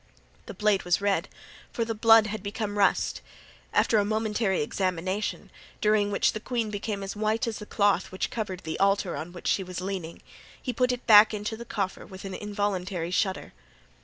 The blade was red, for the blood had become rust; after a momentary examination during which the queen became as white as the cloth which covered the altar on which she was leaning, he put it back into the coffer with an involuntary shudder.